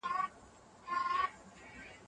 په دښته کې تګ ډېرې حوصلې ته اړتیا لري.